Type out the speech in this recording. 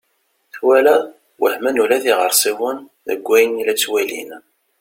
Twalaḍ! Wehmen ula d iɣersiwen deg wayen i la ttwalin.